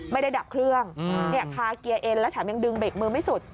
ดับเครื่องคาเกียร์เอ็นแล้วแถมยังดึงเบรกมือไม่สุด